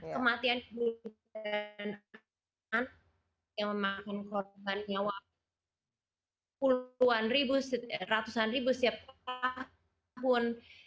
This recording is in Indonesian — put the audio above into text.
kematian yang memakan korban nyawa puluhan ribu ratusan ribu setiap tahun